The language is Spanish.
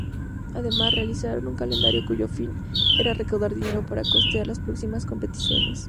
Además, realizaron un calendario cuyo fin era recaudar dinero para costear las próximas competiciones.